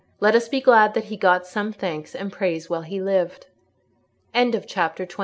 Let us be glad that he got some thanks and praise while he lived. CHAPTER XXX.